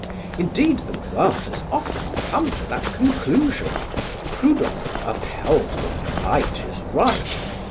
Indeed, the world has often come to that conclusion. Prudhon upheld that might is right.